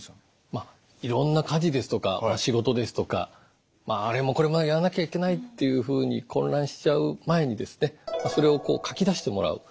まあいろんな家事ですとか仕事ですとかあれもこれもやらなきゃいけないっていうふうに混乱しちゃう前にそれをこう書き出してもらう。